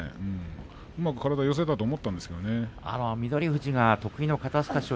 うまく体を寄せたと思ったんですけどもね。